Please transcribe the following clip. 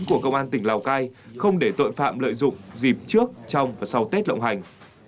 của công an tỉnh lào cai không để tội phạm lợi dụng dịp trước trong và sau tết lộng hành